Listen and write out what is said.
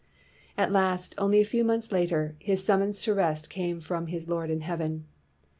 At last, only a few months later, his sum mons to rest came from his Lord in heaven.